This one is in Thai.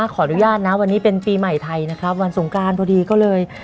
ขออนุญาตนะวันนี้เป็นปีใหม่ไทยนะครับวันสงการพอดีก็เลย